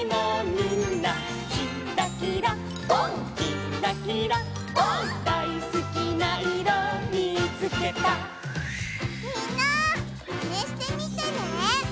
みんなまねしてみてね。